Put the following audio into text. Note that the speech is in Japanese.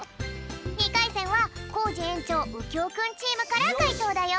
２かいせんはコージ園長うきょうくんチームからかいとうだよ。